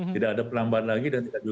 tidak ada penambahan lagi dan tidak bisa